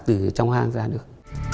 từ trong hang ra được